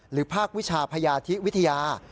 ภาควิชาพยาธิวิทยา